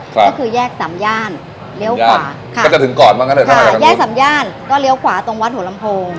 ก็คือแยกสามย่านเลี้ยวขวาค่ะก็จะถึงก่อนว่างั้นเถอะค่ะแยกสามย่านก็เลี้ยวขวาตรงวัดหัวลำโพง